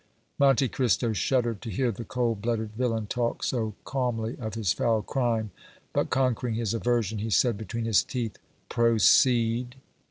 Monte Cristo shuddered to hear the cold blooded villain talk so calmly of his foul crime, but, conquering his aversion, he said between his teeth: "Proceed."